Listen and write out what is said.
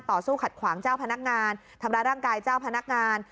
สู้ขัดขวางเจ้าพนักงานทำร้ายร่างกายเจ้าพนักงาน